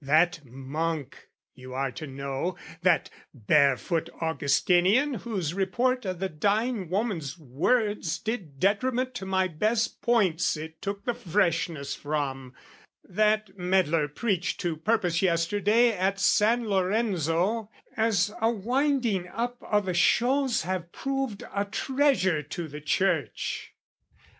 That monk, you are to know, "That barefoot Augustinian whose report "O' the dying woman's words did detriment "To my best points it took the freshness from, " That meddler preached to purpose yesterday "At San Lorenzo as a winding up "O' the shows, have proved a treasure to the church.